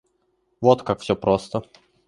Вот как все просто.